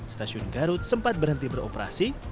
stasiun garut sempat berhenti beroperasi